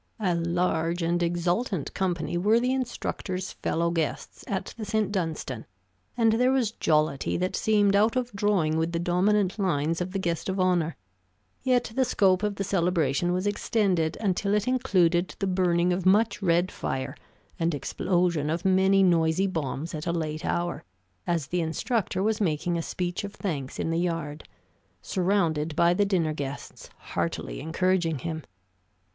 A large and exultant company were the instructor's fellow guests at the St. Dunstan, and there was jollity that seemed out of drawing with the dominant lines of the guest of honor; yet the scope of the celebration was extended until it included the burning of much red fire and explosion of many noisy bombs at a late hour, as the instructor was making a speech of thanks in the yard, surrounded by the dinner guests, heartily encouraging him.